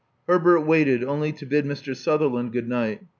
Herbert waited only to bid Mr. Sutherland good night.